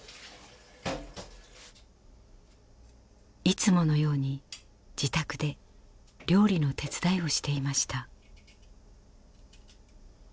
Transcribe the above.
いつものように自宅で料理の手伝いをしていました。